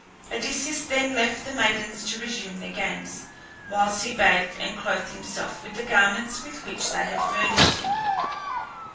Odysseus then left the maidens to resume their games, whilst he bathed and clothed himself with the garments with which they had furnished him.